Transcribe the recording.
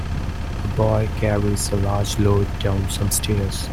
A boy carries a large load down some stairs.